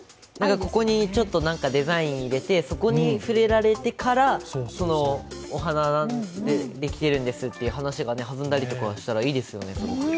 ここにちょっとデザインを入れて、そこに触れられてから、お花でできているんですという話が弾んだりしたらいいですよね、すごく。